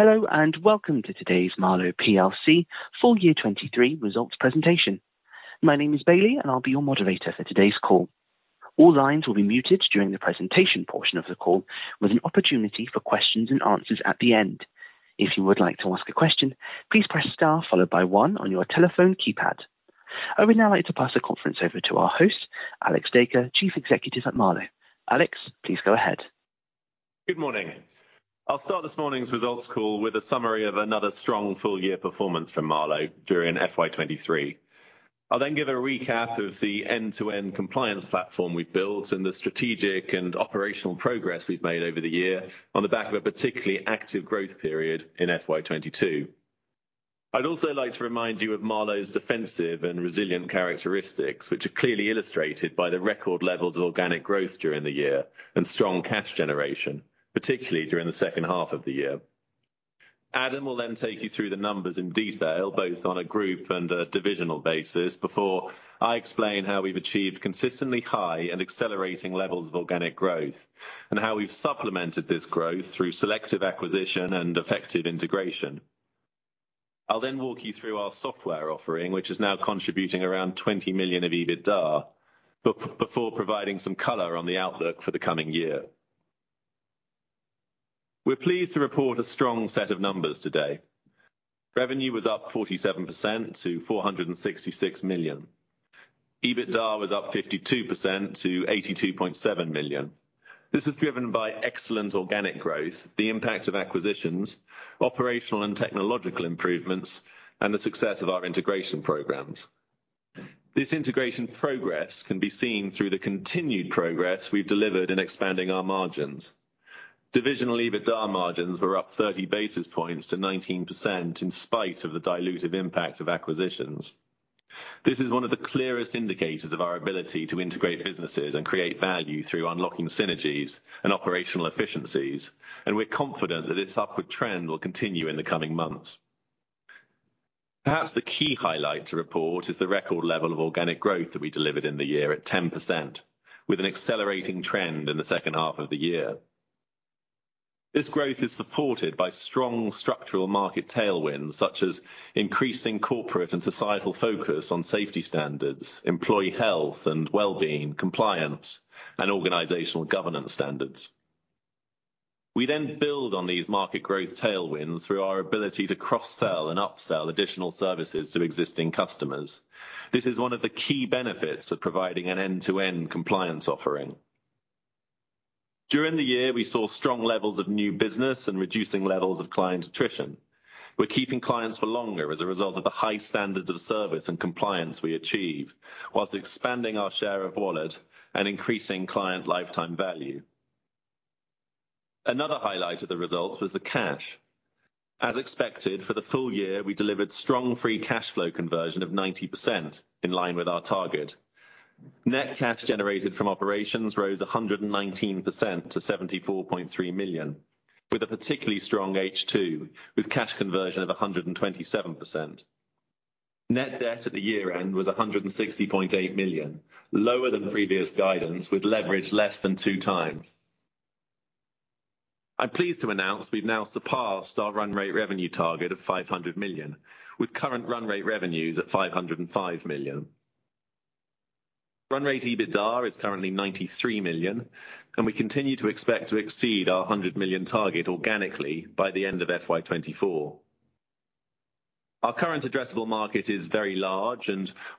Hello, welcome to today's Marlowe plc full year 2023 results presentation. My name is Bailey, and I'll be your moderator for today's call. All lines will be muted during the presentation portion of the call, with an opportunity for questions and answers at the end. If you would like to ask a question, please press Star followed by one on your telephone keypad. I would now like to pass the conference over to our host, Alex Dacre, Chief Executive at Marlowe. Alex, please go ahead. Good morning. I'll start this morning's results call with a summary of another strong full year performance from Marlowe during FY 2023. I'll give a recap of the end-to-end compliance platform we've built and the strategic and operational progress we've made over the year on the back of a particularly active growth period in FY 2022. I'd also like to remind you of Marlowe's defensive and resilient characteristics, which are clearly illustrated by the record levels of organic growth during the year and strong cash generation, particularly during the second half of the year. Adam will take you through the numbers in detail, both on a group and a divisional basis, before I explain how we've achieved consistently high and accelerating levels of organic growth, and how we've supplemented this growth through selective acquisition and effective integration. I'll walk you through our software offering, which is now contributing around 20 million of EBITDA, before providing some color on the outlook for the coming year. We're pleased to report a strong set of numbers today. Revenue was up 47% to 466 million. EBITDA was up 52% to 82.7 million. This was driven by excellent organic growth, the impact of acquisitions, operational and technological improvements, and the success of our integration programs. This integration progress can be seen through the continued progress we've delivered in expanding our margins. Divisional EBITDA margins were up 30 basis points to 19%, in spite of the dilutive impact of acquisitions. This is one of the clearest indicators of our ability to integrate businesses and create value through unlocking synergies and operational efficiencies, and we're confident that this upward trend will continue in the coming months. Perhaps the key highlight to report is the record level of organic growth that we delivered in the year at 10%, with an accelerating trend in the second half of the year. This growth is supported by strong structural market tailwinds, such as increasing corporate and societal focus on safety standards, employee health and well-being, compliance, and organizational governance standards. We build on these market growth tailwinds through our ability to cross-sell and upsell additional services to existing customers. This is one of the key benefits of providing an end-to-end compliance offering. During the year, we saw strong levels of new business and reducing levels of client attrition. We're keeping clients for longer as a result of the high standards of service and compliance we achieve, whilst expanding our share of wallet and increasing client lifetime value. Another highlight of the results was the cash. As expected, for the full year, we delivered strong free cash flow conversion of 90% in line with our target. Net cash generated from operations rose 119% to 74.3 million, with a particularly strong H2, with cash conversion of 127%. Net debt at the year-end was 160.8 million, lower than previous guidance, with leverage less than 2x. I'm pleased to announce we've now surpassed our run rate revenue target of 500 million, with current run rate revenues at 505 million. Run rate EBITDA is currently 93 million. We continue to expect to exceed our 100 million target organically by the end of FY 2024. Our current addressable market is very large.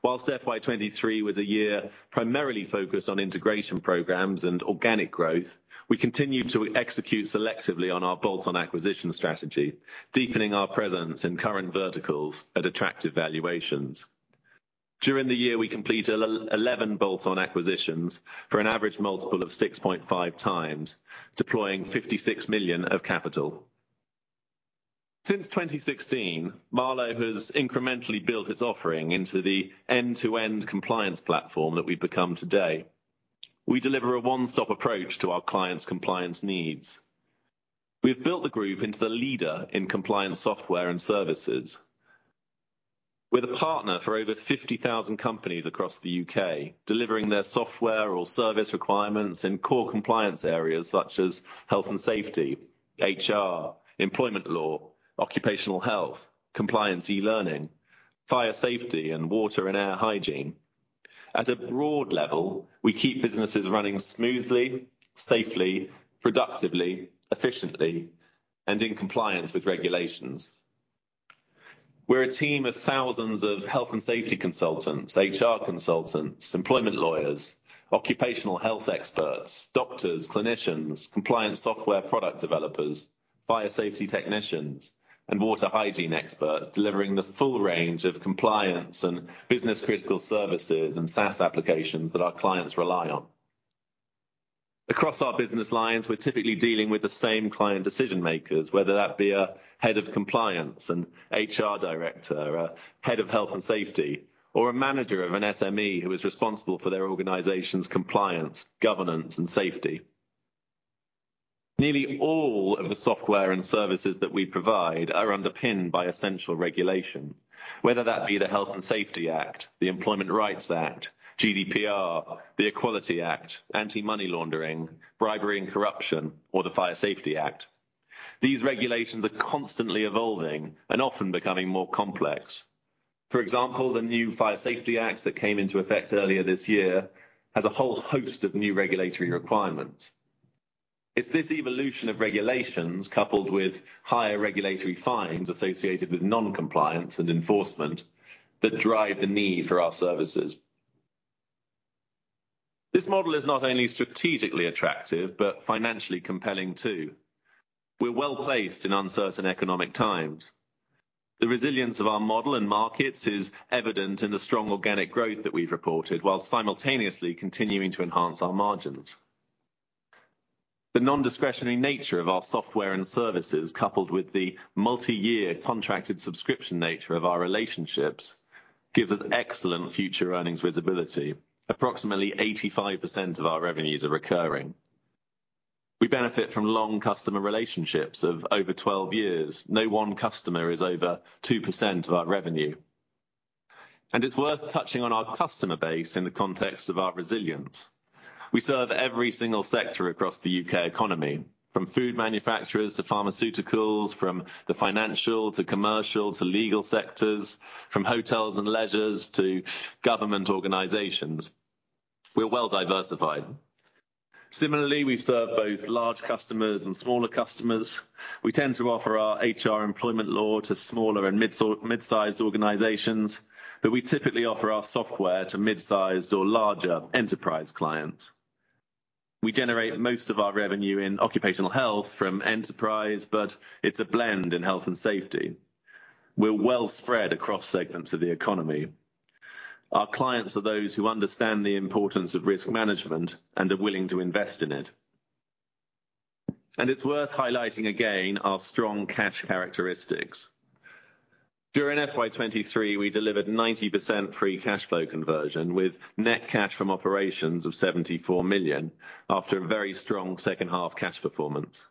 Whilst FY 2023 was a year primarily focused on integration programs and organic growth, we continue to execute selectively on our bolt-on acquisition strategy, deepening our presence in current verticals at attractive valuations. During the year, we completed 11 bolt-on acquisitions for an average multiple of 6.5x, deploying 56 million of capital. Since 2016, Marlowe has incrementally built its offering into the end-to-end compliance platform that we've become today. We deliver a one-stop approach to our clients' compliance needs. We've built the group into the leader in compliance software and services. We're the partner for over 50,000 companies across the U.K., delivering their software or service requirements in core compliance areas such as health and safety, HR, employment law, occupational health, compliance e-learning, fire safety, and water and air hygiene. At a broad level, we keep businesses running smoothly, safely, productively, efficiently, and in compliance with regulations. We're a team of thousands of health and safety consultants, HR consultants, employment lawyers, occupational health experts, doctors, clinicians, compliance software product developers, fire safety technicians, and water hygiene experts, delivering the full range of compliance and business-critical services and SaaS applications that our clients rely on. Across our business lines, we're typically dealing with the same client decision makers, whether that be a head of compliance, an HR director, a head of health and safety, or a manager of an SME who is responsible for their organization's compliance, governance, and safety. Nearly all of the software and services that we provide are underpinned by essential regulation. Whether that be the Health and Safety Act, the Employment Rights Act, GDPR, the Equality Act, anti-money laundering, bribery and corruption, or the Fire Safety Act. These regulations are constantly evolving and often becoming more complex. For example, the new Fire Safety Act that came into effect earlier this year has a whole host of new regulatory requirements. It's this evolution of regulations, coupled with higher regulatory fines associated with non-compliance and enforcement, that drive the need for our services. This model is not only strategically attractive, but financially compelling, too. We're well-placed in uncertain economic times. The resilience of our model and markets is evident in the strong organic growth that we've reported, while simultaneously continuing to enhance our margins. The non-discretionary nature of our software and services, coupled with the multi-year contracted subscription nature of our relationships, gives us excellent future earnings visibility. Approximately 85% of our revenues are recurring. We benefit from long customer relationships of over 12 years. No one customer is over 2% of our revenue. It's worth touching on our customer base in the context of our resilience. We serve every single sector across the U.K. economy, from food manufacturers to pharmaceuticals, from the financial to commercial to legal sectors, from hotels and leisures to government organizations. We're well diversified. Similarly, we serve both large customers and smaller customers. We tend to offer our HR employment law to smaller and mid-sized organizations, but we typically offer our software to mid-sized or larger enterprise clients. We generate most of our revenue in occupational health from enterprise, it's a blend in health and safety. We're well spread across segments of the economy. Our clients are those who understand the importance of risk management and are willing to invest in it. It's worth highlighting again our strong cash characteristics. During FY 2023, we delivered 90% free cash flow conversion, with net cash from operations of 74 million, after a very strong second half cash performance.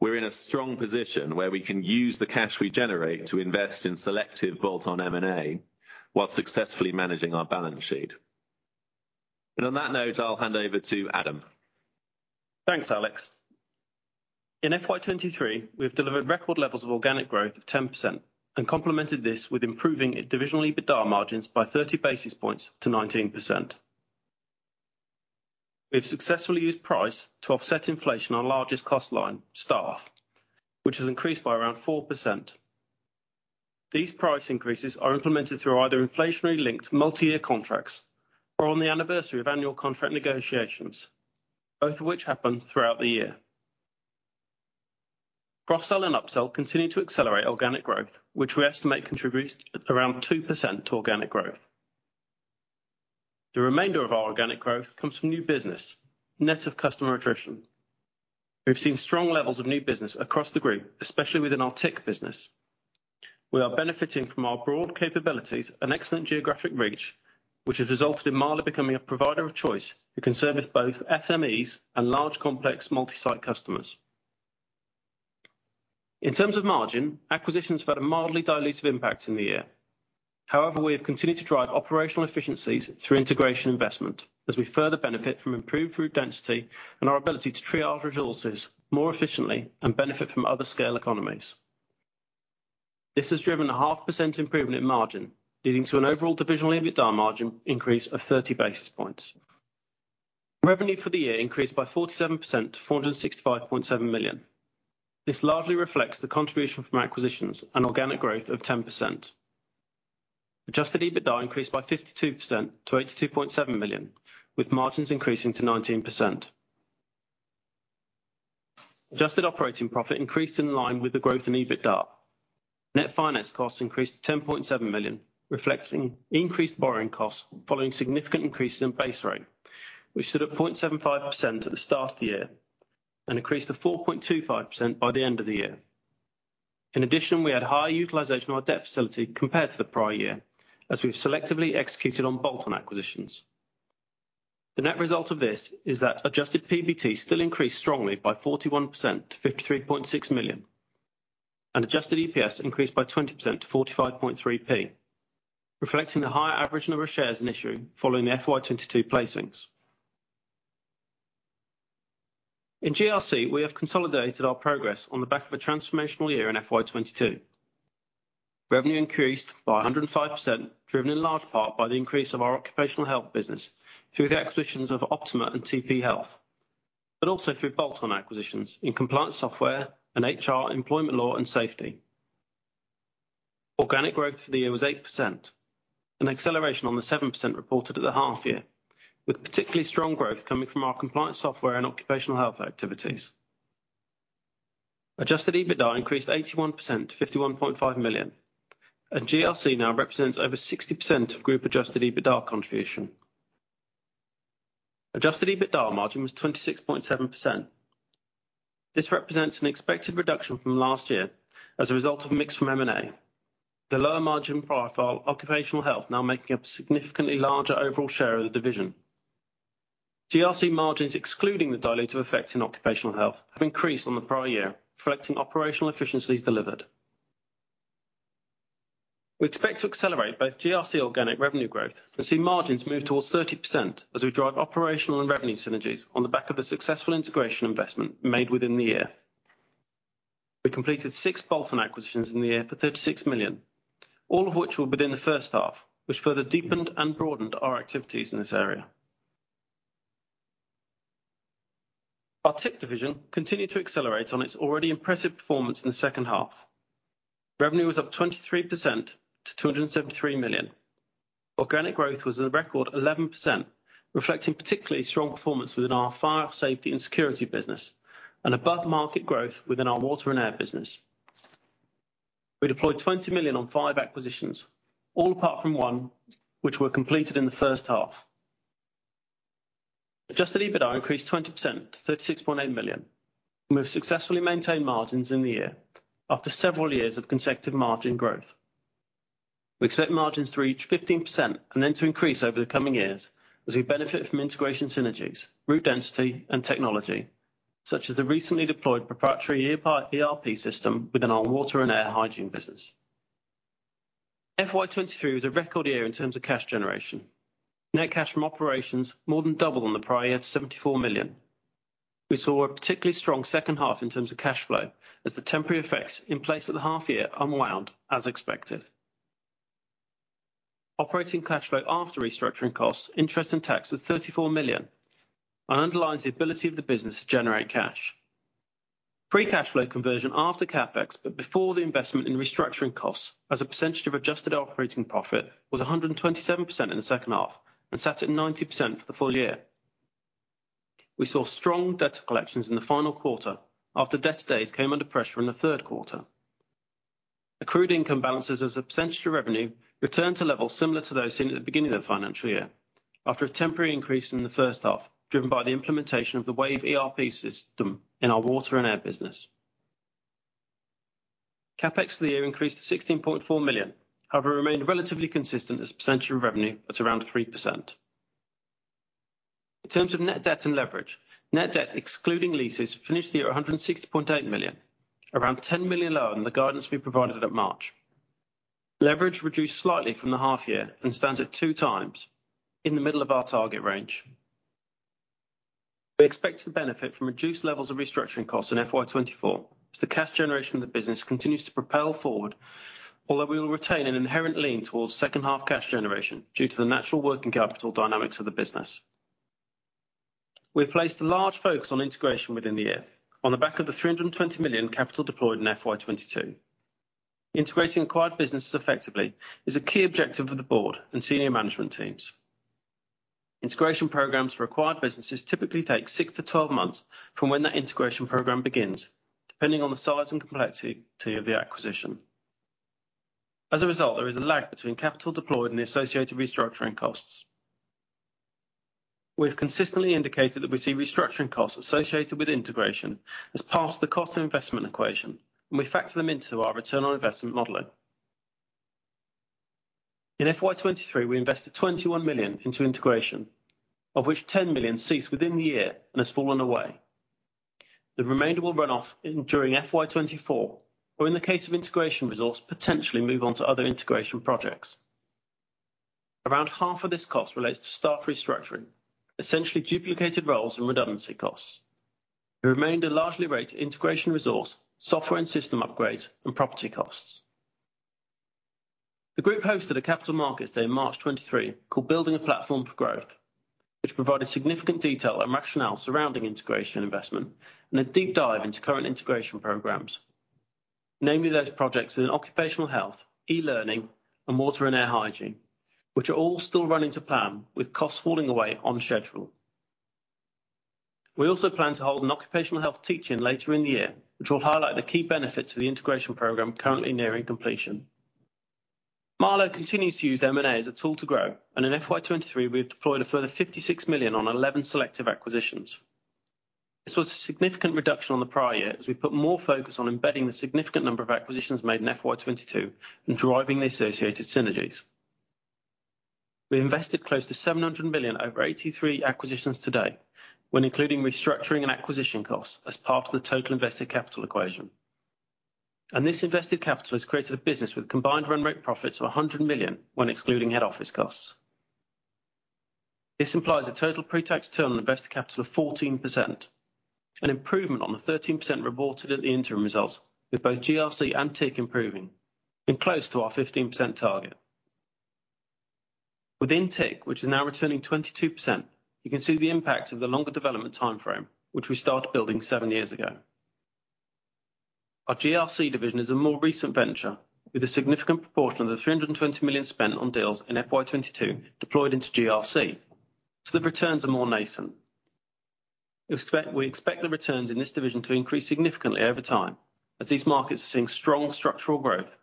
We're in a strong position where we can use the cash we generate to invest in selective bolt-on M&A, while successfully managing our balance sheet. On that note, I'll hand over to Adam. Thanks, Alex. In FY 2023, we've delivered record levels of organic growth of 10% and complemented this with improving divisional EBITDA margins by 30 basis points to 19%. We've successfully used price to offset inflation on our largest cost line, staff, which has increased by around 4%. These price increases are implemented through either inflationary-linked multi-year contracts or on the anniversary of annual contract negotiations, both of which happen throughout the year. Cross-sell and upsell continue to accelerate organic growth, which we estimate contributes around 2% to organic growth. The remainder of our organic growth comes from new business, net of customer attrition. We've seen strong levels of new business across the group, especially within our TIC business. We are benefiting from our broad capabilities and excellent geographic reach, which has resulted in Marlowe becoming a provider of choice who can service both SMEs and large, complex multi-site customers. In terms of margin, acquisitions have had a mildly dilutive impact in the year. We have continued to drive operational efficiencies through integration investment as we further benefit from improved route density and our ability to triage resources more efficiently and benefit from other scale economies. This has driven a 0.5% improvement in margin, leading to an overall divisional EBITDA margin increase of 30 basis points. Revenue for the year increased by 47% to 465.7 million. This largely reflects the contribution from acquisitions and organic growth of 10%. Adjusted EBITDA increased by 52% to 82.7 million, with margins increasing to 19%. Adjusted operating profit increased in line with the growth in EBITDA. Net finance costs increased to 10.7 million, reflecting increased borrowing costs following significant increases in base rate, which stood at 0.75% at the start of the year and increased to 4.25% by the end of the year. In addition, we had higher utilization of our debt facility compared to the prior year, as we've selectively executed on bolt-on acquisitions. The net result of this is that adjusted PBT still increased strongly by 41% to 53.6 million, and adjusted EPS increased by 20% to 0.453, reflecting the higher average number of shares in issue following the FY 2022 placings. In GRC, we have consolidated our progress on the back of a transformational year in FY 2022. Revenue increased by 105%, driven in large part by the increase of our occupational health business through the acquisitions of Optima and TP Health, also through bolt-on acquisitions in compliance software and HR, employment law, and safety. Organic growth for the year was 8%, an acceleration on the 7% reported at the half year, with particularly strong growth coming from our compliance software and occupational health activities. Adjusted EBITDA increased 81% to 51.5 million. GRC now represents over 60% of group-adjusted EBITDA contribution. Adjusted EBITDA margin was 26.7%. This represents an expected reduction from last year as a result of mix from M&A. The lower margin profile, occupational health now making up a significantly larger overall share of the division.... GRC margins, excluding the dilutive effect in occupational health, have increased on the prior year, reflecting operational efficiencies delivered. We expect to accelerate both GRC organic revenue growth and see margins move towards 30% as we drive operational and revenue synergies on the back of the successful integration investment made within the year. We completed six bolt-on acquisitions in the year for 36 million, all of which were within the first half, which further deepened and broadened our activities in this area. Our TIC division continued to accelerate on its already impressive performance in the second half. Revenue was up 23% to 273 million. Organic growth was at a record 11%, reflecting particularly strong performance within our fire, safety, and security business, and above-market growth within our water and air business. We deployed 20 million on five acquisitions, all apart from one, which were completed in the first half. Adjusted EBITDA increased 20% to 36.8 million. We've successfully maintained margins in the year after several years of consecutive margin growth. We expect margins to reach 15% and then to increase over the coming years as we benefit from integration synergies, route density, and technology, such as the recently deployed proprietary Wave ERP system within our water and air hygiene business. FY 2023 was a record year in terms of cash generation. Net cash from operations more than doubled on the prior year to 74 million. We saw a particularly strong second half in terms of cash flow, as the temporary effects in place at the half year unwound as expected. Operating cash flow after restructuring costs, interest and tax was 34 million. Underlines the ability of the business to generate cash. Free cash flow conversion after CapEx, before the investment in restructuring costs as a percentage of adjusted operating profit, was 127% in the second half, sat at 90% for the full year. We saw strong debt collections in the final quarter after debt days came under pressure in the third quarter. Accrued income balances as a percentage of revenue returned to levels similar to those seen at the beginning of the financial year, after a temporary increase in the first half, driven by the implementation of the Wave ERP system in our water and air business. CapEx for the year increased to 16.4 million, however, remained relatively consistent as a percentage of revenue at around 3%. In terms of net debt and leverage, net debt, excluding leases, finished the year at 160.8 million, around 10 million lower than the guidance we provided at March. Leverage reduced slightly from the half year and stands at 2 times in the middle of our target range. We expect to benefit from reduced levels of restructuring costs in FY 2024, as the cash generation of the business continues to propel forward, although we will retain an inherent lean towards second half cash generation due to the natural working capital dynamics of the business. We've placed a large focus on integration within the year on the back of the 320 million capital deployed in FY 2022. Integrating acquired businesses effectively is a key objective of the board and senior management teams. Integration programs for acquired businesses typically take six to 12 months from when that integration program begins, depending on the size and complexity of the acquisition. As a result, there is a lag between capital deployed and the associated restructuring costs. We've consistently indicated that we see restructuring costs associated with integration as part of the cost of investment equation, and we factor them into our return on investment modeling. In FY 2023, we invested 21 million into integration, of which 10 million ceased within the year and has fallen away. The remainder will run off during FY 2024, or in the case of integration resource, potentially move on to other integration projects. Around half of this cost relates to staff restructuring, essentially duplicated roles and redundancy costs. It remained a largely related integration resource, software and system upgrades, and property costs. The group hosted a capital markets day in March 2023, called Building a Platform for Growth, which provided significant detail and rationale surrounding integration investment and a deep dive into current integration programs. Namely, those projects within occupational health, e-learning, and water and air hygiene, which are all still running to plan, with costs falling away on schedule. We also plan to hold an occupational health teach-in later in the year, which will highlight the key benefits of the integration program currently nearing completion. Marlowe continues to use M&A as a tool to grow, and in FY 2023, we've deployed a further 56 million on 11 selective acquisitions. This was a significant reduction on the prior year, as we put more focus on embedding the significant number of acquisitions made in FY 2022 and driving the associated synergies. We invested close to 700 million over 83 acquisitions to date, when including restructuring and acquisition costs as part of the total invested capital equation. This invested capital has created a business with combined run rate profits of 100 million when excluding head office costs. This implies a total pre-tax return on invested capital of 14%, an improvement on the 13% reported at the interim results, with both GRC and TIC improving and close to our 15% target. Within TIC, which is now returning 22%, you can see the impact of the longer development timeframe, which we started building seven years ago. Our GRC division is a more recent venture, with a significant proportion of the 320 million spent on deals in FY 2022 deployed into GRC, so the returns are more nascent. We expect the returns in this division to increase significantly over time, as these markets are seeing strong structural growth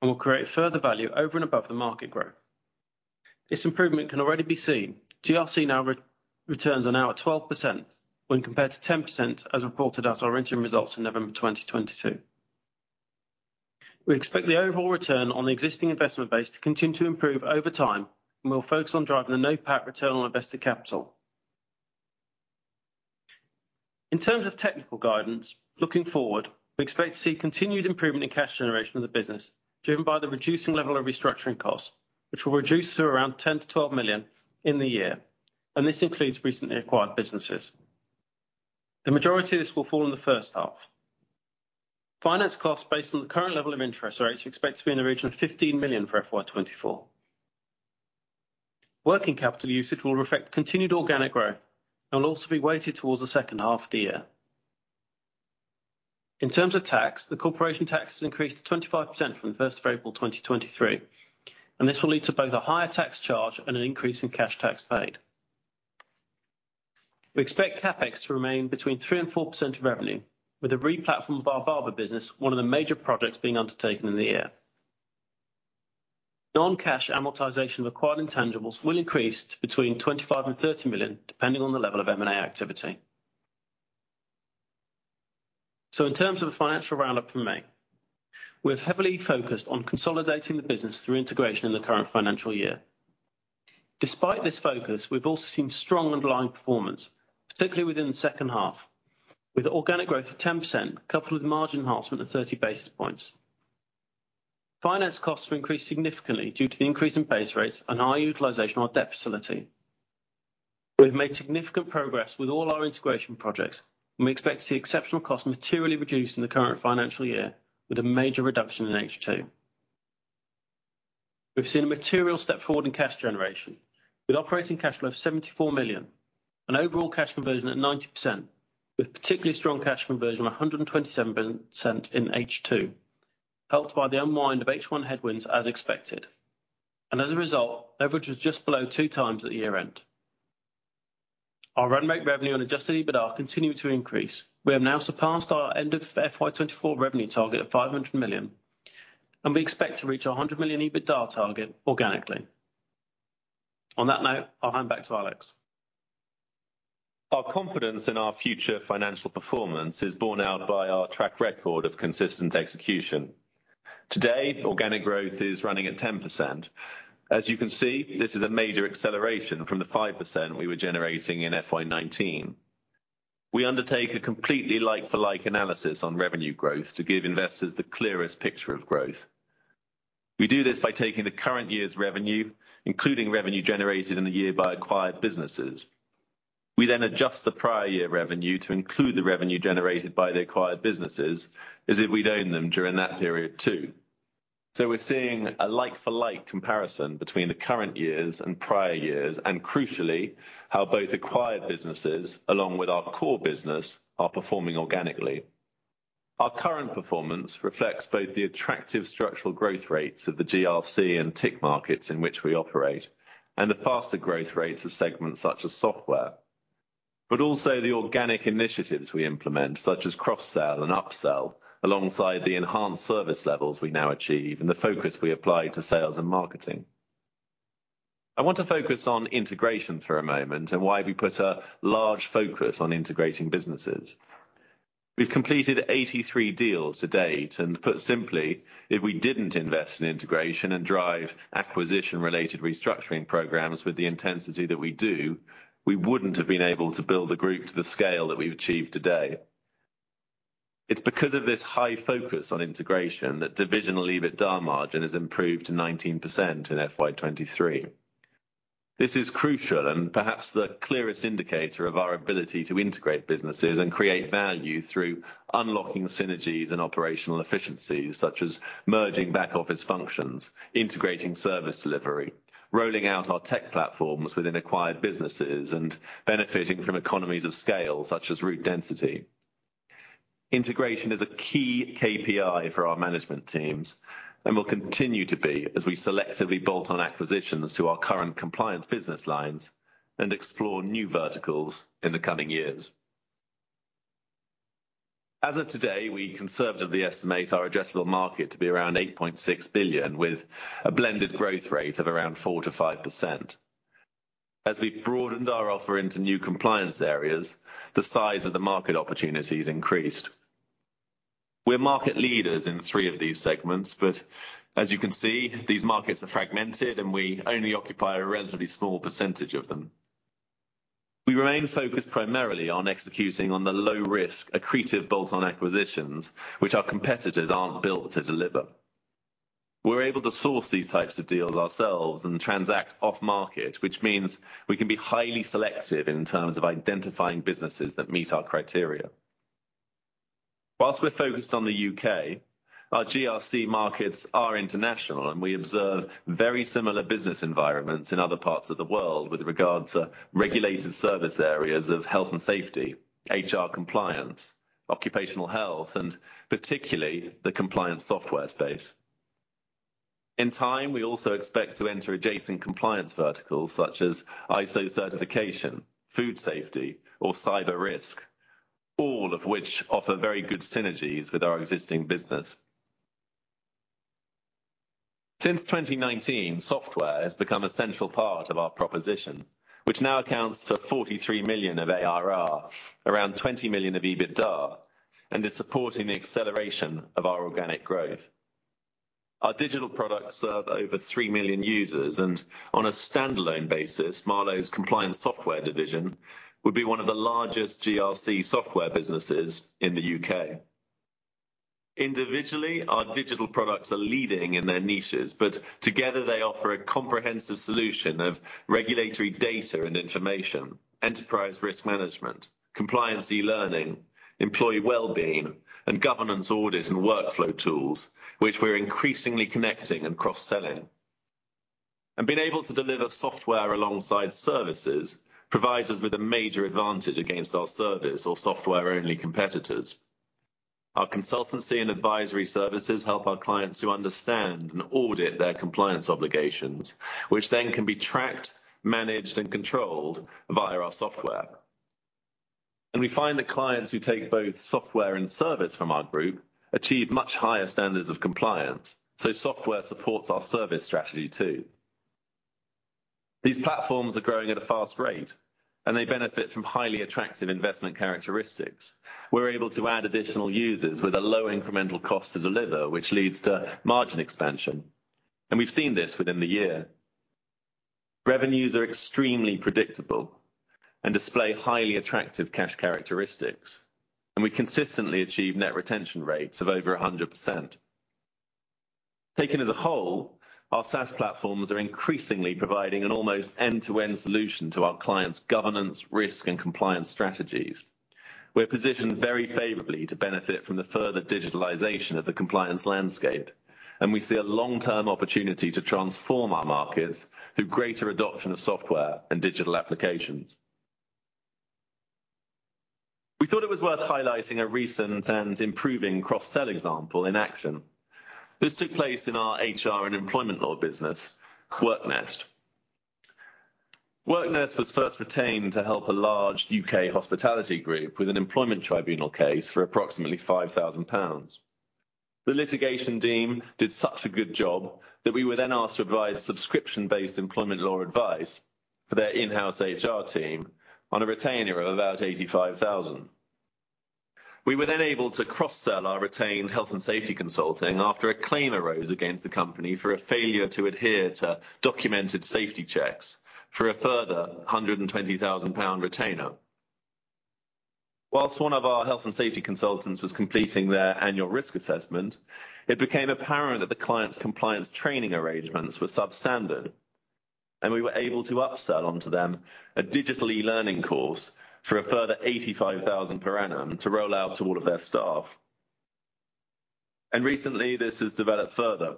and will create further value over and above the market growth. This improvement can already be seen. GRC returns are now at 12% when compared to 10%, as reported at our interim results in November 2022. We expect the overall return on the existing investment base to continue to improve over time, we'll focus on driving the NOPAT return on invested capital. In terms of technical guidance, looking forward, we expect to see continued improvement in cash generation of the business, driven by the reducing level of restructuring costs, which will reduce to around 10 million-12 million in the year. This includes recently acquired businesses. The majority of this will fall in the first half. Finance costs based on the current level of interest rates are expected to be in the region of 15 million for FY 2024. Working capital usage will reflect continued organic growth and will also be weighted towards the second half of the year. In terms of tax, the corporation tax has increased to 25% from the 1st of April 2023. This will lead to both a higher tax charge and an increase in cash tax paid. We expect CapEx to remain between 3% and 4% of revenue, with a re-platform of our Barbour business, one of the major projects being undertaken in the year. Non-cash amortization of acquired intangibles will increase to between 25 million and 30 million, depending on the level of M&A activity. In terms of the financial roundup from May, we're heavily focused on consolidating the business through integration in the current financial year. Despite this focus, we've also seen strong underlying performance, particularly within the second half, with organic growth of 10%, coupled with margin enhancement of 30 basis points. Finance costs have increased significantly due to the increase in base rates and high utilization of our debt facility. We've made significant progress with all our integration projects, and we expect to see exceptional costs materially reduced in the current financial year, with a major reduction in H2. We've seen a material step forward in cash generation, with operating cash flow of 74 million, and overall cash conversion at 90%, with particularly strong cash conversion of 127% in H2, helped by the unwind of H1 headwinds, as expected. As a result, leverage was just below 2x at the year-end. Our run rate revenue on adjusted EBITDA continue to increase. We have now surpassed our end of FY 2024 revenue target of 500 million. We expect to reach our 100 million EBITDA target organically. On that note, I'll hand back to Alex. Our confidence in our future financial performance is borne out by our track record of consistent execution. Today, organic growth is running at 10%. As you can see, this is a major acceleration from the 5% we were generating in FY 2019. We undertake a completely like-for-like analysis on revenue growth to give investors the clearest picture of growth. We do this by taking the current year's revenue, including revenue generated in the year by acquired businesses. We adjust the prior year revenue to include the revenue generated by the acquired businesses, as if we'd owned them during that period, too. We're seeing a like-for-like comparison between the current years and prior years, and crucially, how both acquired businesses, along with our core business, are performing organically. Our current performance reflects both the attractive structural growth rates of the GRC and TIC markets in which we operate, and the faster growth rates of segments such as software, but also the organic initiatives we implement, such as cross-sell and upsell, alongside the enhanced service levels we now achieve and the focus we apply to sales and marketing. I want to focus on integration for a moment and why we put a large focus on integrating businesses. We've completed 83 deals to date, and put simply, if we didn't invest in integration and drive acquisition-related restructuring programs with the intensity that we do, we wouldn't have been able to build the group to the scale that we've achieved today. It's because of this high focus on integration that divisional EBITDA margin has improved to 19% in FY 2023. This is crucial and perhaps the clearest indicator of our ability to integrate businesses and create value through unlocking synergies and operational efficiencies, such as merging back-office functions, integrating service delivery, rolling out our tech platforms within acquired businesses, and benefiting from economies of scale, such as route density. Integration is a key KPI for our management teams and will continue to be as we selectively bolt-on acquisitions to our current compliance business lines and explore new verticals in the coming years. As of today, we conservatively estimate our addressable market to be around 8.6 billion, with a blended growth rate of around 4%-5%. As we broadened our offer into new compliance areas, the size of the market opportunities increased. We're market leaders in three of these segments, but as you can see, these markets are fragmented, and we only occupy a relatively small % of them. We remain focused primarily on executing on the low risk, accretive bolt-on acquisitions, which our competitors aren't built to deliver. We're able to source these types of deals ourselves and transact off-market, which means we can be highly selective in terms of identifying businesses that meet our criteria. While we're focused on the U.K., our GRC markets are international, and we observe very similar business environments in other parts of the world with regard to regulated service areas of health and safety, HR compliance, occupational health, and particularly the compliance software space. In time, we also expect to enter adjacent compliance verticals such as ISO certification, food safety, or cyber risk, all of which offer very good synergies with our existing business. Since 2019, software has become a central part of our proposition, which now accounts for 43 million of ARR, around 20 million of EBITDA, and is supporting the acceleration of our organic growth. Our digital products serve over 3 million users, and on a standalone basis, Marlowe's compliance software division would be one of the largest GRC software businesses in the U.K. Individually, our digital products are leading in their niches, but together they offer a comprehensive solution of regulatory data and information, enterprise risk management, compliance e-learning, employee well-being, and governance audit and workflow tools, which we're increasingly connecting and cross-selling. Being able to deliver software alongside services provides us with a major advantage against our service or software-only competitors. Our consultancy and advisory services help our clients to understand and audit their compliance obligations, which then can be tracked, managed, and controlled via our software. We find that clients who take both software and service from our group achieve much higher standards of compliance, so software supports our service strategy, too. These platforms are growing at a fast rate, and they benefit from highly attractive investment characteristics. We're able to add additional users with a low incremental cost to deliver, which leads to margin expansion, and we've seen this within the year. Revenues are extremely predictable and display highly attractive cash characteristics, and we consistently achieve net retention rates of over 100%. Taken as a whole, our SaaS platforms are increasingly providing an almost end-to-end solution to our clients' governance, risk, and compliance strategies. We're positioned very favorably to benefit from the further digitalization of the compliance landscape, and we see a long-term opportunity to transform our markets through greater adoption of software and digital applications. We thought it was worth highlighting a recent and improving cross-sell example in action. This took place in our HR and employment law business, WorkNest. WorkNest was first retained to help a large U.K. hospitality group with an employment tribunal case for approximately GBP 5,000. We were asked to provide subscription-based employment law advice for their in-house HR team on a retainer of about 85,000. We were able to cross-sell our retained health and safety consulting after a claim arose against the company for a failure to adhere to documented safety checks for a further 120,000 pound retainer. Whilst one of our health and safety consultants was completing their annual risk assessment, it became apparent that the client's compliance training arrangements were substandard, and we were able to upsell onto them a digital e-learning course for a further 85,000 per annum to roll out to all of their staff. Recently, this has developed further.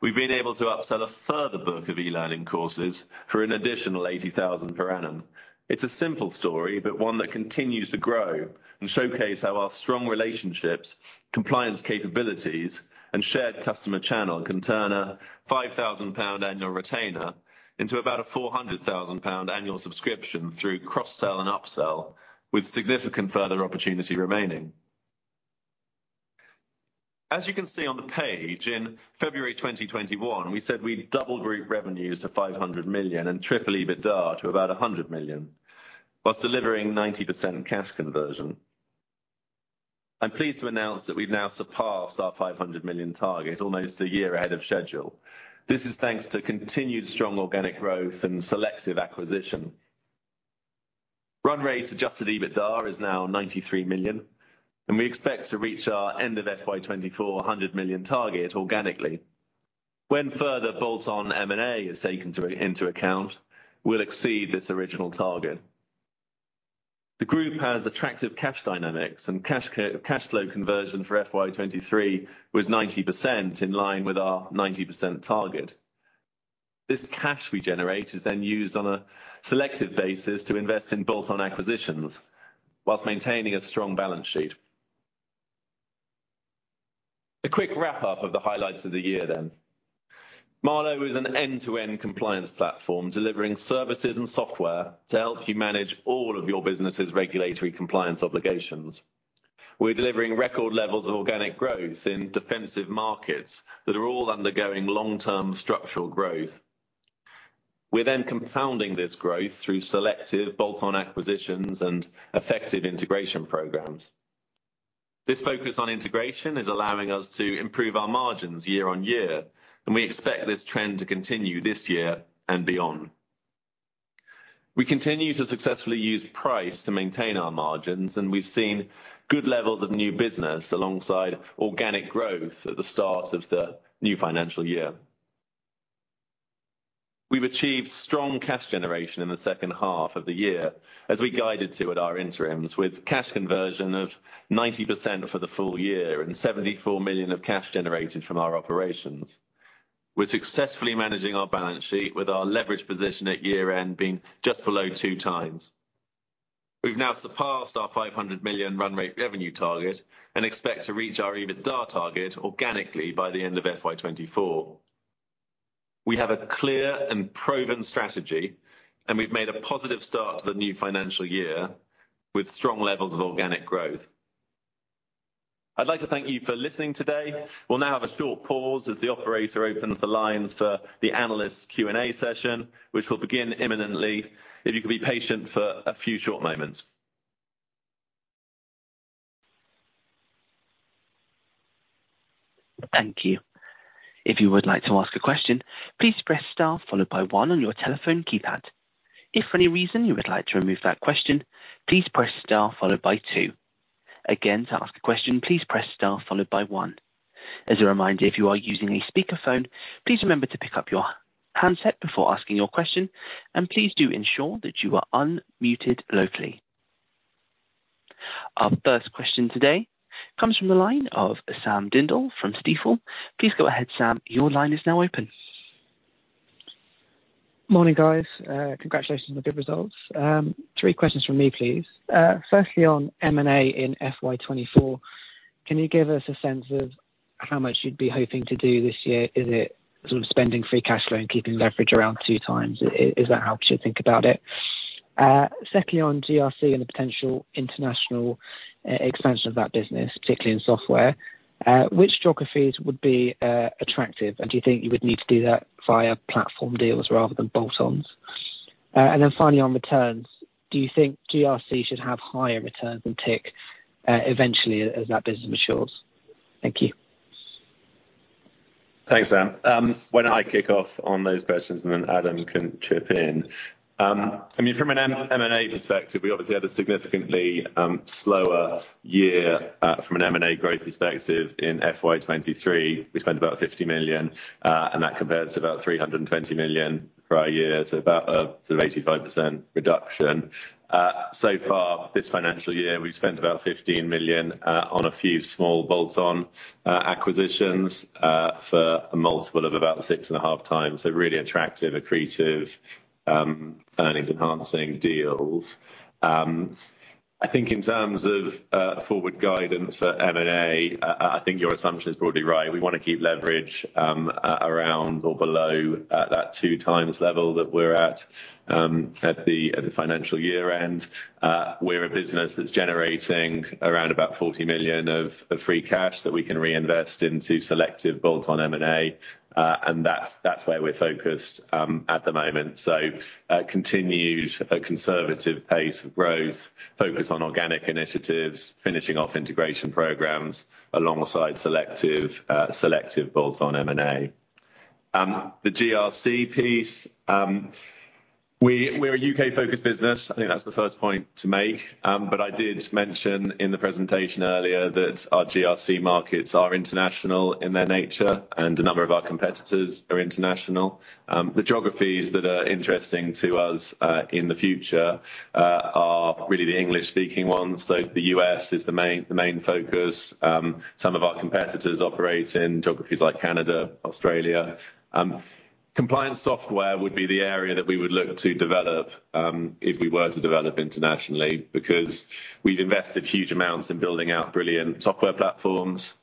We've been able to upsell a further book of e-learning courses for an additional 80,000 per annum. It's a simple story, but one that continues to grow and showcase how our strong relationships, compliance capabilities, and shared customer channel can turn a 5,000 pound annual retainer into about a 400,000 pound annual subscription through cross-sell and upsell, with significant further opportunity remaining. As you can see on the page, in February 2021, we said we'd double group revenues to 500 million and triple EBITDA to about 100 million, while delivering 90% cash conversion. I'm pleased to announce that we've now surpassed our 500 million target almost a year ahead of schedule. This is thanks to continued strong organic growth and selective acquisition. Run rate adjusted EBITDA is now 93 million, we expect to reach our end of FY 2024 100 million target organically. When further bolt-on M&A is taken into account, we'll exceed this original target. The group has attractive cash dynamics cash flow conversion for FY 2023 was 90% in line with our 90% target. This cash we generate is then used on a selective basis to invest in bolt-on acquisitions while maintaining a strong balance sheet. A quick wrap up of the highlights of the year. Marlowe is an end-to-end compliance platform, delivering services and software to help you manage all of your business's regulatory compliance obligations. We're delivering record levels of organic growth in defensive markets that are all undergoing long-term structural growth. We're compounding this growth through selective bolt-on acquisitions and effective integration programs. This focus on integration is allowing us to improve our margins year-on-year, and we expect this trend to continue this year and beyond. We continue to successfully use price to maintain our margins, and we've seen good levels of new business alongside organic growth at the start of the new financial year. We've achieved strong cash generation in the second half of the year as we guided to at our interims, with cash conversion of 90% for the full year and 74 million of cash generated from our operations. We're successfully managing our balance sheet with our leverage position at year-end being just below 2x. We've now surpassed our 500 million run rate revenue target and expect to reach our EBITDA target organically by the end of FY 2024. We have a clear and proven strategy. We've made a positive start to the new financial year with strong levels of organic growth. I'd like to thank you for listening today. We'll now have a short pause as the operator opens the lines for the analyst Q&A session, which will begin imminently, if you could be patient for a few short moments. Thank you. If you would like to ask a question, please press star followed by one on your telephone keypad. If for any reason you would like to remove that question, please press star followed by two. Again, to ask a question, please press star followed by one. As a reminder, if you are using a speakerphone, please remember to pick up your handset before asking your question, and please do ensure that you are unmuted locally. Our first question today comes from the line of Sam Dindol from Stifel. Please go ahead, Sam. Your line is now open. Morning, guys. Congratulations on the good results. Three questions from me, please. Firstly, on M&A in FY 2024, can you give us a sense of how much you'd be hoping to do this year? Is it sort of spending free cash flow and keeping leverage around 2x? Is that how we should think about it? Secondly, on GRC and the potential international expansion of that business, particularly in software, which geographies would be attractive, and do you think you would need to do that via platform deals rather than bolt-ons? Finally, on returns, do you think GRC should have higher returns than TIC eventually, as that business matures? Thank you. Thanks, Sam. Why don't I kick off on those questions, and then Adam can chip in. I mean, from an M&A perspective, we obviously had a significantly slower year from an M&A growth perspective in FY 2023. We spent about 50 million, and that compares to about 320 million prior year, so about 85% reduction. Far this financial year, we've spent about 15 million on a few small bolt-on acquisitions for a multiple of about 6.5x. Really attractive, accretive, earnings enhancing deals. I think in terms of forward guidance for M&A, I think your assumption is broadly right. We want to keep leverage around or below at that two times level that we're at at the financial year end. We're a business that's generating around about 40 million of free cash that we can reinvest into selective bolt-on M&A, and that's where we're focused at the moment. Continued a conservative pace of growth, focused on organic initiatives, finishing off integration programs alongside selective bolt-on M&A. The GRC piece, we're a U.K.-focused business. I think that's the first point to make. I did mention in the presentation earlier that our GRC markets are international in their nature, and a number of our competitors are international. The geographies that are interesting to us in the future, are really the English-speaking ones. The U.S. is the main, the main focus. Some of our competitors operate in geographies like Canada, Australia. Compliance software would be the area that we would look to develop if we were to develop internationally, because we've invested huge amounts in building out brilliant software platforms.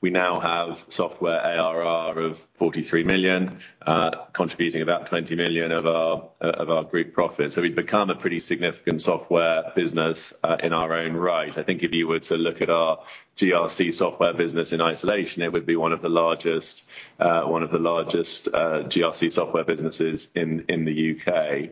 We now have software ARR of 43 million, contributing about 20 million of our group profits. We've become a pretty significant software business in our own right. I think if you were to look at our GRC software business in isolation, it would be one of the largest GRC software businesses in the U.K.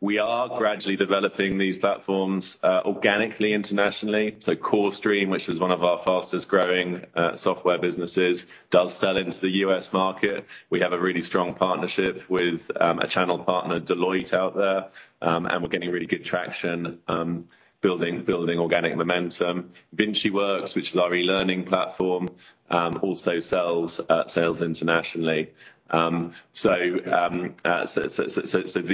We are gradually developing these platforms organically, internationally. CoreStream, which is one of our fastest-growing software businesses, does sell into the U.S. market. We have a really strong partnership with a channel partner, Deloitte, out there. We're getting really good traction, building organic momentum. VinciWorks, which is our e-learning platform, also sells internationally. The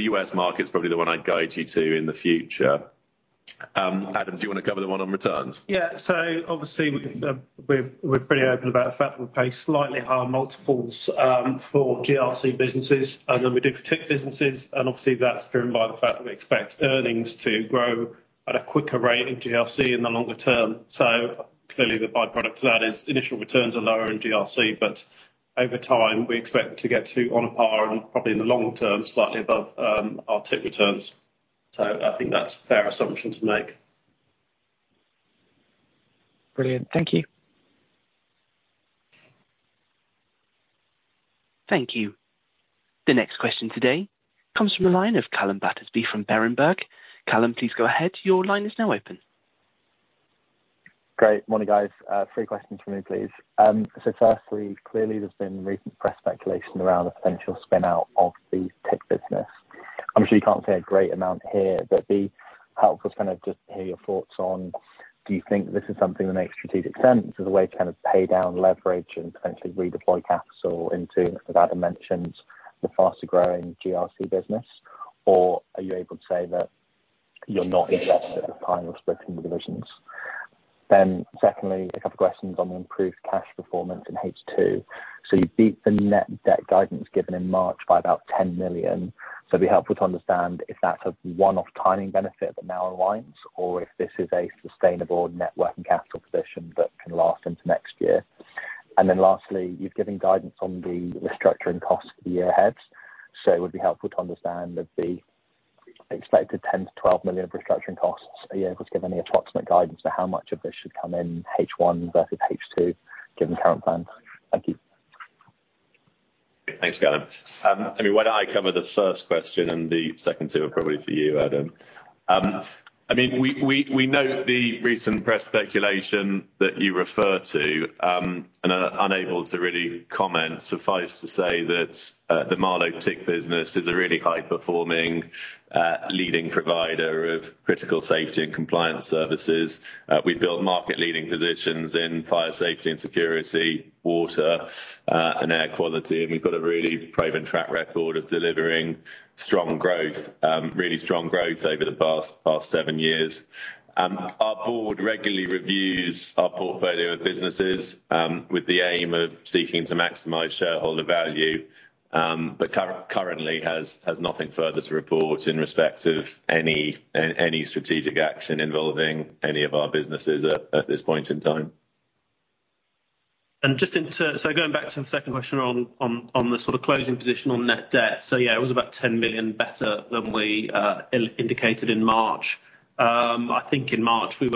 U.S. market is probably the one I'd guide you to in the future. Adam, do you want to cover the one on returns? Obviously, we're pretty open about the fact that we pay slightly higher multiples for GRC businesses than we do for TIC businesses, and obviously, that's driven by the fact that we expect earnings to grow at a quicker rate in GRC in the longer term. Clearly, the by-product to that is initial returns are lower in GRC, but over time, we expect to get to on a par and probably in the long term, slightly above our TIC returns. I think that's a fair assumption to make. Brilliant. Thank you. Thank you. The next question today comes from the line of Calum Battersby from Berenberg. Calum, please go ahead. Your line is now open. Great. Morning, guys. Three questions from me, please. firstly, clearly, there's been recent press speculation around the potential spin-out of the TIC business. I'm sure you can't say a great amount here. Be helpful to kind of just hear your thoughts on, do you think this is something that makes strategic sense as a way to kind of pay down leverage and potentially redeploy capital into, as Adam mentioned, the faster-growing GRC business? Are you able to say that you're not interested in splitting the divisions? secondly, a couple of questions on the improved cash performance in H2. You beat the net debt guidance given in March by about 10 million. It'd be helpful to understand if that's a one-off timing benefit that now aligns or if this is a sustainable net working capital position that can last into next year. Lastly, you've given guidance on the restructuring costs for the year ahead. It would be helpful to understand.... expected GBP 10 million-GBP 12 million of restructuring costs. Are you able to give any approximate guidance to how much of this should come in H1 versus H2, given current plans? Thank you. Thanks, Calum. I mean, why don't I cover the first question and the second two are probably for you, Adam. I mean, we note the recent press speculation that you refer to, and are unable to really comment. Suffice to say that the Marlowe TIC business is a really high performing, leading provider of critical safety and compliance services. We've built market-leading positions in fire safety and security, water, and air quality, and we've got a really proven track record of delivering strong growth, really strong growth over the past seven years. Our board regularly reviews our portfolio of businesses, with the aim of seeking to maximize shareholder value, but currently has nothing further to report in respect of any strategic action involving any of our businesses at this point in time. Just going back to the second question on the sort of closing position on net debt. Yeah, it was about 10 million better than we indicated in March. I think in March, we'd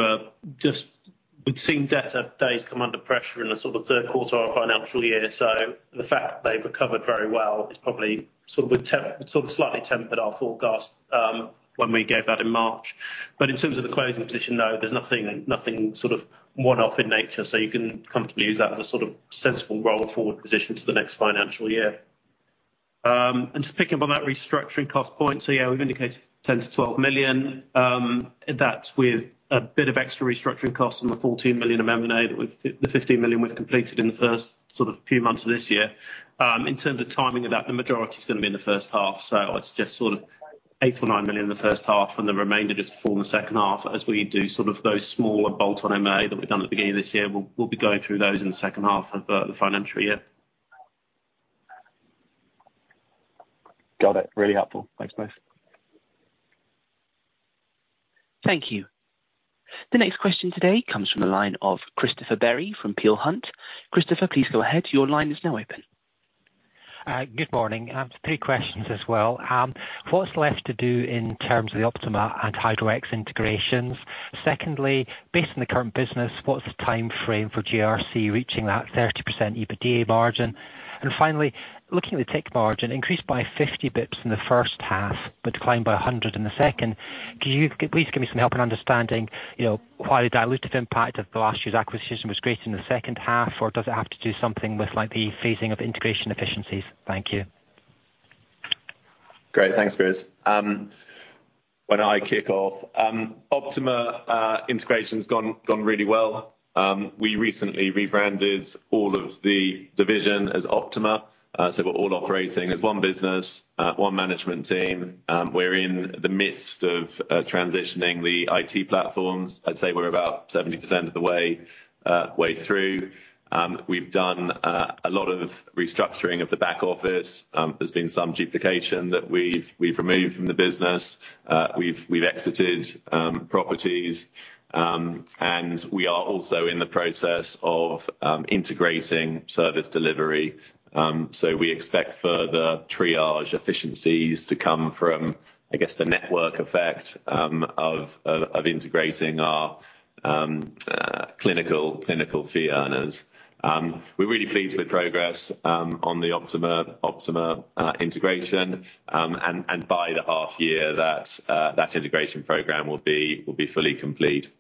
seen debt at days come under pressure in the sort of 3rd quarter of our financial year, so the fact that they've recovered very well is probably sort of slightly tempered our forecast when we gave that in March. In terms of the closing position, though, there's nothing sort of one-off in nature, so you can comfortably use that as a sort of sensible roll-forward position to the next financial year. Just picking up on that restructuring cost point, yeah, we've indicated 10 million-12 million. That's with a bit of extra restructuring costs on the 14 million of M&A, with the 15 million we've completed in the first few months of this year. In terms of timing of that, the majority is gonna be in the first half, so it's just 8 million or 9 million in the first half, and the remainder just for in the second half, as we do those smaller bolt-on M&A that we've done at the beginning of this year. We'll be going through those in the second half of the financial year. Got it. Really helpful. Thanks, guys. Thank you. The next question today comes from the line of Christopher Bamberry from Peel Hunt. Christopher, please go ahead. Your line is now open. Good morning. I have two questions as well. What's left to do in terms of the Optima and Hydro-X integrations? Secondly, based on the current business, what's the timeframe for GRC reaching that 30% EBITDA margin? Finally, looking at the TIC margin increased by 50 basis points in the first half, but declined by 100 in the second. Could you please give me some help in understanding, you know, why the dilutive impact of the last year's acquisition was greater than the second half, or does it have to do something with, like, the phasing of integration efficiencies? Thank you. Great. Thanks, Chris. Why don't I kick off? Optima integration's gone really well. We recently rebranded all of the division as Optima. We're all operating as one business, one management team. We're in the midst of transitioning the IT platforms. I'd say we're about 70% of the way through. We've done a lot of restructuring of the back office. There's been some duplication that we've removed from the business. We've exited properties, and we are also in the process of integrating service delivery. We expect further triage efficiencies to come from, I guess, the network effect of integrating our clinical fee earners. We're really pleased with progress on the Optima integration, and by the half year that integration program will be fully complete.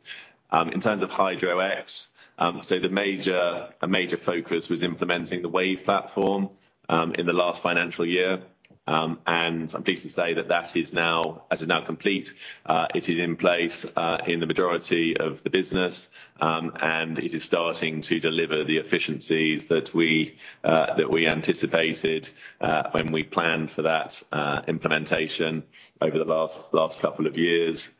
In terms of Hydro-X, a major focus was implementing the Wave platform in the last financial year. I'm pleased to say that that is now complete. It is in place in the majority of the business, and it is starting to deliver the efficiencies that we anticipated when we planned for that implementation over the last couple of years.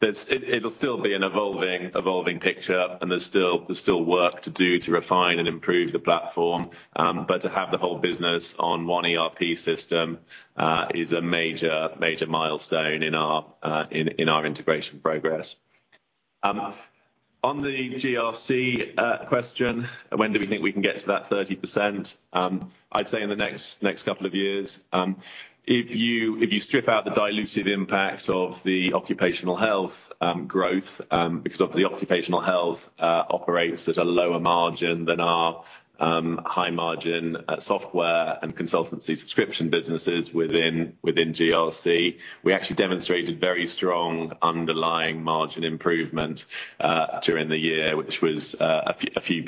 It'll still be an evolving picture, and there's still work to do to refine and improve the platform. To have the whole business on one ERP system is a major milestone in our integration progress. On the GRC question, when do we think we can get to that 30%? I'd say in the next couple of years. If you strip out the dilutive impact of the occupational health growth, because of the occupational health operates at a lower margin than our high margin software and consultancy subscription businesses within GRC. We actually demonstrated very strong underlying margin improvement during the year, which was a few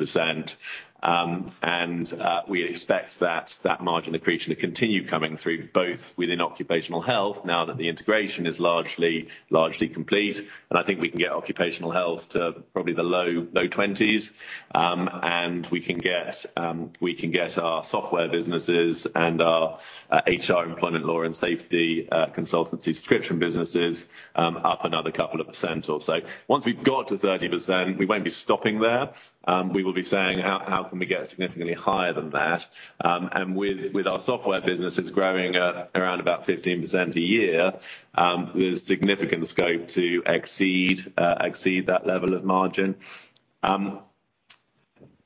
%. We expect that margin accretion to continue coming through, both within occupational health, now that the integration is largely complete. I think we can get occupational health to probably the low, low 20s. we can get our software businesses and our HR, employment law, and safety consultancy subscription businesses up another couple of % or so. Once we've got to 30%, we won't be stopping there. we will be saying: How can we get significantly higher than that? with our software businesses growing around about 15% a year, there's significant scope to exceed that level of margin.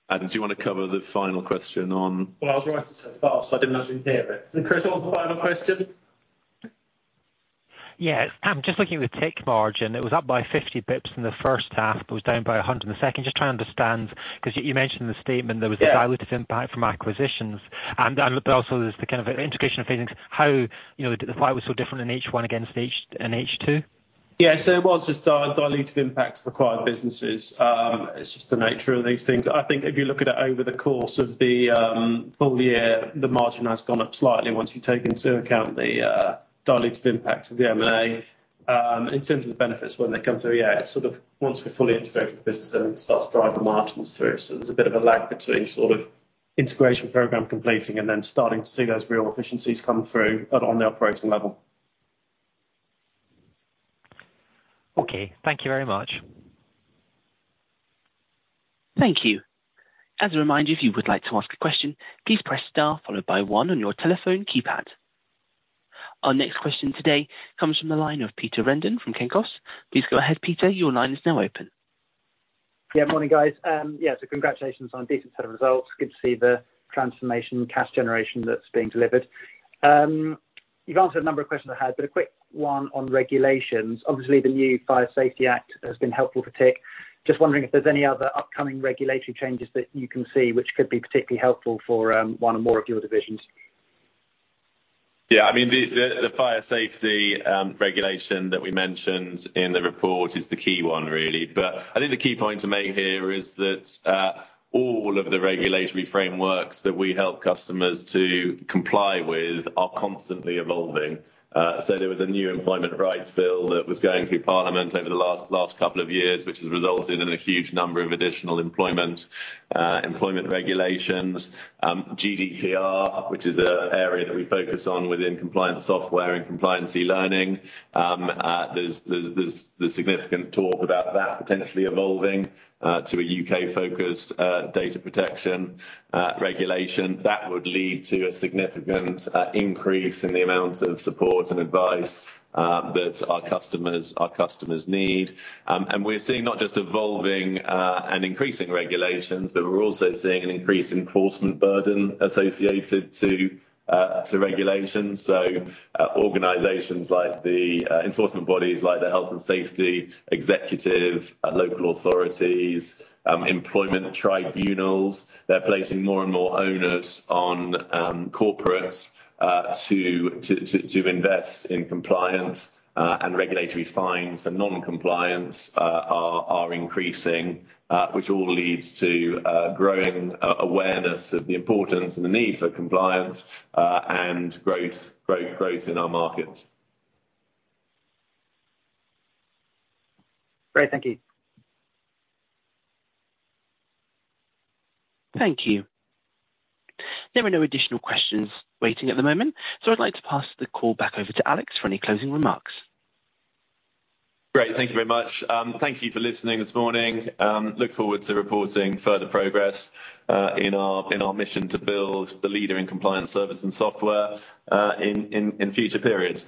Adam, do you want to cover the final question on? I was writing so fast, I didn't actually hear it. Chris, what was the final question? Yeah, I'm just looking at the TIC margin. It was up by 50 pips in the first half, but was down by 100 in the second. Just trying to understand, 'cause you mentioned in the statement there was- Yeah a dilutive impact from acquisitions, and, but also there's the kind of integration of things. How, you know, why it was so different in H1 against in H2? Yeah, it was just a dilutive impact for acquired businesses. It's just the nature of these things. I think if you look at it over the course of the full year, the margin has gone up slightly once you take into account the dilutive impact of the M&A. In terms of the benefits, when they come through, yeah, it's sort of once we're fully integrated with the business and it starts to drive the margins through. There's a bit of a lag between sort of integration program completing and then starting to see those real efficiencies come through at, on the operating level. Okay, thank you very much. Thank you. As a reminder, if you would like to ask a question, please press star followed by 1 on your telephone keypad. Our next question today comes from the line of Peter Renton from Cenkos Securities. Please go ahead, Peter. Your line is now open. Morning, guys. Congratulations on a decent set of results. Good to see the transformation, cash generation that's being delivered. You've answered a number of questions I had, but a quick one on regulations. Obviously, the new Fire Safety Act has been helpful for TIC. Just wondering if there's any other upcoming regulatory changes that you can see which could be particularly helpful for one or more of your divisions. Yeah, I mean, the fire safety regulation that we mentioned in the report is the key one really. I think the key point to make here is that all of the regulatory frameworks that we help customers to comply with are constantly evolving. There was a new employment rights bill that was going through parliament over the last couple of years, which has resulted in a huge number of additional employment regulations. GDPR, which is a area that we focus on within compliance software and compliance learning. There's significant talk about that potentially evolving to a U.K.-focused data protection regulation. That would lead to a significant increase in the amount of support and advice that our customers need. We're seeing not just evolving and increasing regulations, but we're also seeing an increase in enforcement burden associated to regulations. Organizations like the enforcement bodies, like the Health and Safety Executive, local authorities, employment tribunals, they're placing more and more onus on corporates to invest in compliance, and regulatory fines for non-compliance are increasing, which all leads to a growing awareness of the importance and the need for compliance and growth in our markets. Great. Thank you. Thank you. There are no additional questions waiting at the moment, so I'd like to pass the call back over to Alex for any closing remarks. Great, thank you very much. Thank you for listening this morning. Look forward to reporting further progress in our mission to build the leader in compliance service and software in future periods.